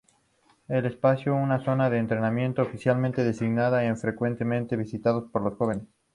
El espacio una zona de entretenimiento oficialmente designada, es frecuentemente visitada por los jóvenes.